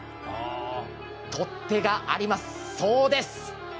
取っ手があります、そうです。